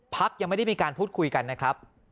พักยังไม่ได้มีการพูดคุยกันนะครับ